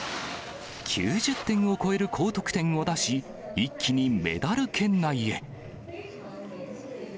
９０点を超える高得点を出し、一気にメダル圏内へ。